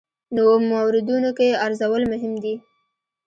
نویو موردونو کې ارزول مهم دي.